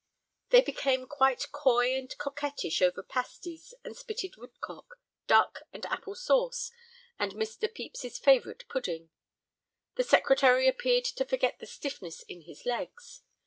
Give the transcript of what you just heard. They became quite coy and coquettish over pasties and spitted woodcock, duck and apple sauce, and Mr. Pepys's favorite pudding. The Secretary appeared to forget the stiffness in his legs.